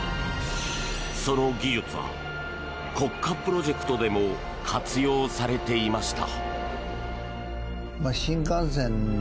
その技術は国家プロジェクトでも活用されていました。